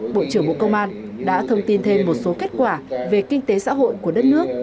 bộ trưởng bộ công an đã thông tin thêm một số kết quả về kinh tế xã hội của đất nước